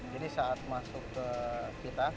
jadi saat masuk ke kita